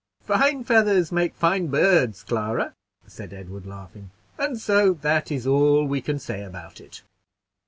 "Fine feathers make fine birds, Clara," said Edward, laughing; "and so that is all we can say about it."